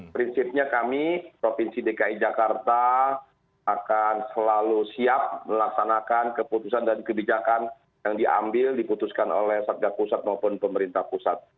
prinsipnya kami provinsi dki jakarta akan selalu siap melaksanakan keputusan dan kebijakan yang diambil diputuskan oleh satgas pusat maupun pemerintah pusat